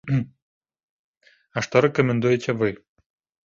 А што рэкамендуеце вы?